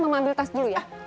mama ambil tas dulu ya